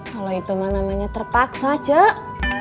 kalau itu mah namanya terpaksa cak